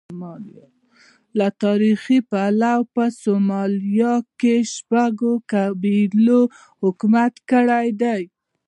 له تاریخي پلوه په سومالیا کې شپږو قبیلو حکومت کړی دی.